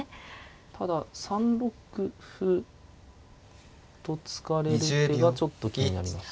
ただ３六歩と突かれる手がちょっと気になります。